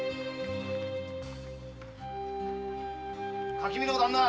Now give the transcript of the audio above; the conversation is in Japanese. ・垣見の旦那！